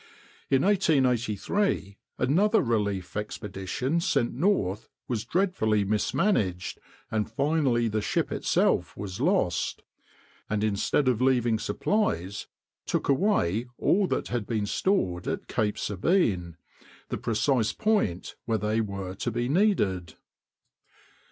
In 1883 another relief expedition sent north was dreadfully mis managed, and finally the ship itself was lost, and, instead of leaving supplies, took away all that had been stored at Cape Sabine—the precise point where they were to be needed.